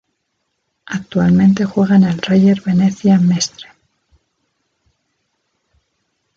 Actualmente juega en el Reyer Venezia Mestre.